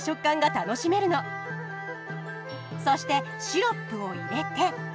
そしてシロップを入れて。